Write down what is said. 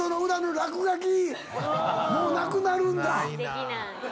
できない。